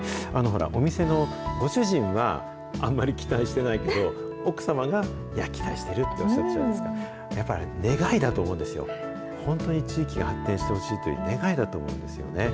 お店のご主人は、あんまり期待してないけど、奥様が期待してるっておっしゃってたじゃないですか、やっぱり、願いだと思うんですよ、本当に地域が発展してほしいという願いだと思うんですよね。